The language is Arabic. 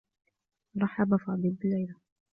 رحّب فاضل بليلى.